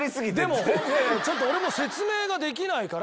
でもいやいやちょっと俺も説明ができないから。